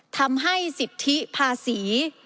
ทำให้สิทธิภาษี